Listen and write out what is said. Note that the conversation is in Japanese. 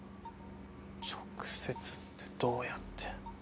直接ってどうやって。